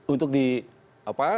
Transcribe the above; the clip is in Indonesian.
untuk di apa